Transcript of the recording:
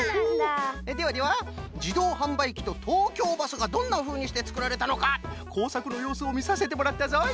ではではじどうはんばいきととうきょうバスがどんなふうにしてつくられたのかこうさくのようすをみさせてもらったぞい。